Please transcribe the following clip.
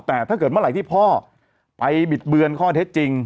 แต่ถ้าเกิดเมื่อไหร่ที่พ่อไปบิดเบือนข้อเท็จจริง